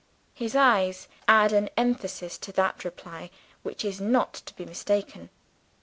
His eyes add an emphasis to that reply which is not to be mistaken.